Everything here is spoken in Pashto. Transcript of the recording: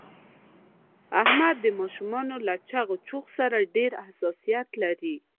احمد د ماشومانو له چغ چوغ سره ډېر حساسیت لري.